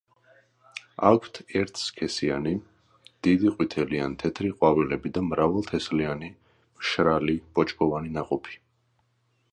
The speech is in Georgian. აქვთ ერთსქესიანი, დიდი ყვითელი ან თეთრი ყვავილები და მრავალთესლიანი, მშრალი, ბოჭკოვანი ნაყოფი.